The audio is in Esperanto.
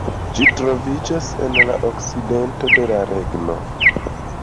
Ĝi troviĝas en la okcidento de la regno.